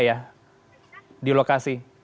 penumpang tujuan bandung dan juga tujuan bandung